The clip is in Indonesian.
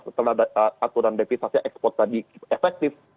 setelah aturan devisasi ekspor tadi efektif